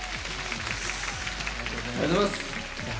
ありがとうございます。